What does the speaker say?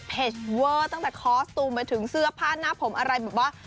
เวอร์ตั้งแต่คอสตูมไปถึงเสื้อผ้าหน้าผมอะไรแบบว่า